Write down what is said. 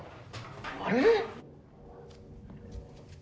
・あれ？